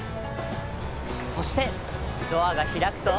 そしてドアがひらくと。